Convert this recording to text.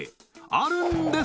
あるんです！